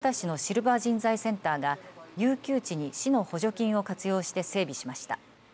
この農業用ハウスは枚方市のシルバー人材センターが遊休地に市の補助金を活用して整備しました。